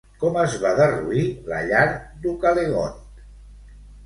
Com es va derruir la llar d'Ucalegont?